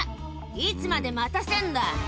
「いつまで待たせんだ」